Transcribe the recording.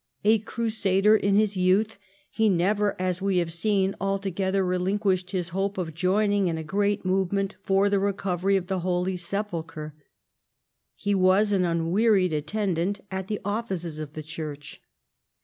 A crusader in his youth, he never, as we have seen, altogether relinquished his hope of joining in a great movement for the recovery of the Holy Sepulchre. He was an unwearied attendant at the offices of the Church.